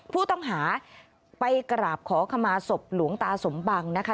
ผู้ต้องหาไปกราบขอขมาศพหลวงตาสมบังนะคะ